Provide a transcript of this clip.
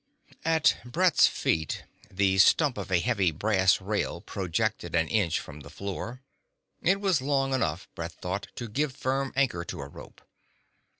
At Brett's feet the stump of a heavy brass rail projected an inch from the floor. It was long enough, Brett thought, to give firm anchor to a rope.